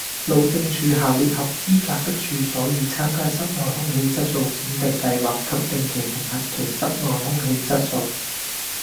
路政署下列合資格的處所已參加室內空氣質素檢定計劃及定期評核其室內空氣質素